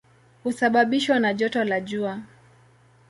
Husababishwa na joto la jua.